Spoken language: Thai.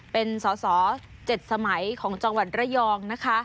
เป็นส่อเจ็ดสมัยของจังหวัดระยอง